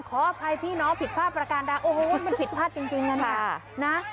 ใครพี่น้องผิดพลาดประการดาวนโอ้โฮมันผิดพลาดจริงอย่างนี้